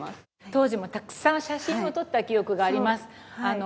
当時もたくさん写真を撮った記憶があります。